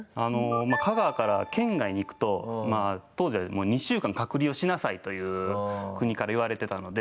香川から県外に行くと当時は２週間隔離をしなさいという国から言われてたので。